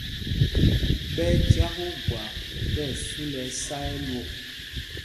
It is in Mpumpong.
Ɓɛ́ ɛ́ jǎk ogwâp tí ɛsu lɛ ɛsá ɛlwok.